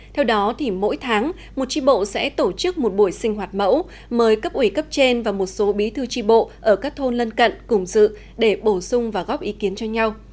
theo đó mỗi tháng một tri bộ sẽ tổ chức một buổi sinh hoạt mẫu mời cấp ủy cấp trên và một số bí thư tri bộ ở các thôn lân cận cùng dự để bổ sung và góp ý kiến cho nhau